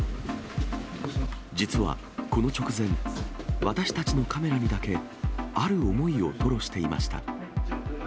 実はこの直前、私たちのカメラにだけ、ある思いを吐露していました。